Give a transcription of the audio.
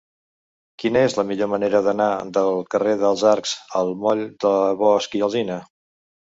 Quina és la millor manera d'anar del carrer dels Arcs al moll de Bosch i Alsina?